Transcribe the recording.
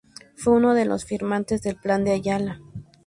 Fue uno de los firmantes del Plan de Ayala.